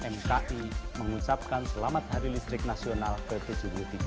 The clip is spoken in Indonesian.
mki mengucapkan selamat hari listrik nasional ke tujuh puluh tiga